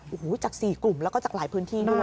โอ้โหจาก๔กลุ่มแล้วก็จากหลายพื้นที่ด้วย